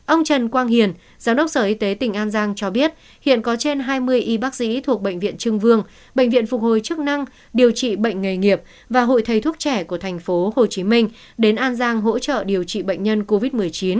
ông trần quang hiền giám đốc sở y tế tỉnh an giang cho biết hiện có trên hai mươi y bác sĩ thuộc bệnh viện trưng vương bệnh viện phục hồi chức năng điều trị bệnh nghề nghiệp và hội thầy thuốc trẻ của tp hcm đến an giang hỗ trợ điều trị bệnh nhân covid một mươi chín